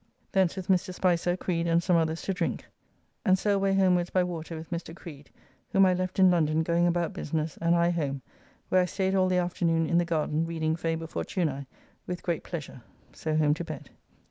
Thence with Mr. Spicer, Creed and some others to drink. And so away homewards by water with Mr. Creed, whom I left in London going about business and I home, where I staid all the afternoon in the garden reading "Faber Fortunae" with great pleasure. So home to bed.